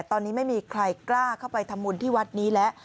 ตอนนี้ไม่มีใครกล้าเข้าไปทำบุญที่วัดนี้แล้ว